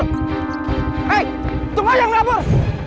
hei tunggu aja yang kabur